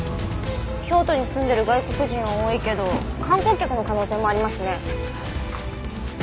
京都に住んでいる外国人は多いけど観光客の可能性もありますね。